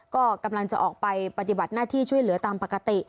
ก็กำลังจะออกไปปฏิบัติหน้าที่ช่วยเหลือตามปกติ